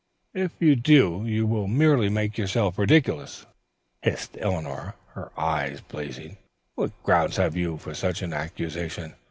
"If you do, you will merely make yourself ridiculous," hissed Eleanor, her eyes blazing. "What grounds have you for such an accusation?"